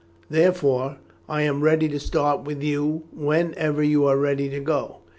Therefore, I am ready to start with you whenever you are ready to go.